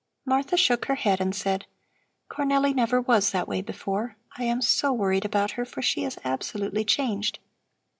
Martha shook her head and said: "Cornelli never was that way before. I am so worried about her, for she is absolutely changed.